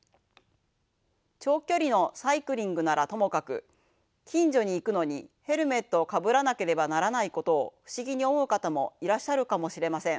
長距離のサイクリングならともかく近所に行くのにヘルメットをかぶらなければならないことを不思議に思う方もいらっしゃるかもしれません。